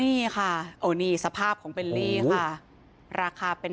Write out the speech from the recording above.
จะรับผิดชอบกับความเสียหายที่เกิดขึ้น